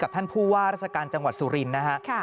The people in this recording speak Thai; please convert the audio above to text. ท่านผู้ว่าราชการจังหวัดสุรินทร์นะฮะ